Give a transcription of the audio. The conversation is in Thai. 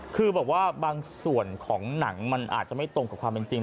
คือบอกว่าบางส่วนของหนังมันอาจจะไม่ตรงกับความเป็นจริง